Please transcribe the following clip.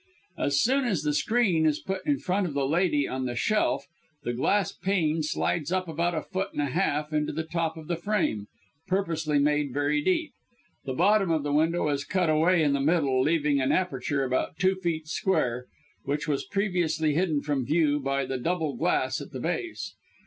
As soon as the screen is put in front of the lady on the shelf the glass pane slides up about a foot and a half into the top of the frame, purposely made very deep. The bottom of the window is cut away in the middle, leaving an aperture about two feet square, which was previously hidden from view by the double glass at the base.